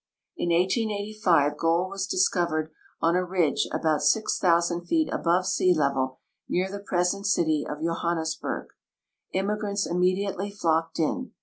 In 1885 gold Avas discovered on a ridge about six thousand feet above sea level, near the present cit}'' of Johannesburg. Im migrants immediately flocked in.